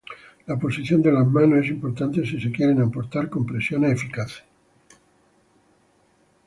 La posición de las manos es importante si se quieren aportar compresiones eficaces.